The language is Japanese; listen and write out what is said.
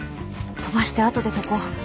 飛ばしてあとで解こう。